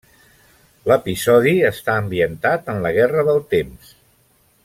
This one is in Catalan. L'episodi està ambientat en la guerra del temps.